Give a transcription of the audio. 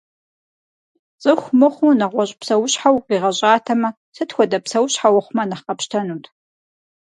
Цӏыху мыхъуу нэгъуэщӏ псэущхьэу укъигъэщӏатэмэ, сыт хуэдэ псэущхьэ ухъумэ нэхъ къэпщтэнут?